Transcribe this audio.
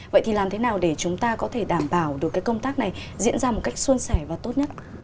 vậy thì làm thế nào để chúng ta có thể đảm bảo được công tác này diễn ra một cách xuân sẻ và tốt nhất